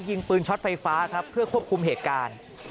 ยิงปืนช็อตไฟฟ้าครับเพื่อควบคุมเหตุการณ์